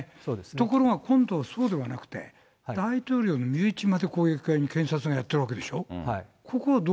ところが今度そうではなくて、大統領の身内側まで検察がやってるわけでしょ。